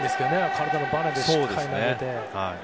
体のばねでしっかり投げて。